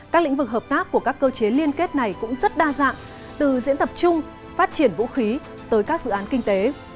các lĩnh vực hợp tác của các cơ chế liên kết này cũng rất đa dạng từ diễn tập chung phát triển vũ khí tới các dự án kinh tế